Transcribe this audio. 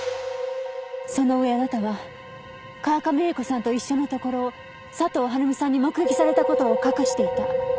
そのうえあなたは川上英子さんと一緒のところを佐藤晴美さんに目撃されたことを隠していた。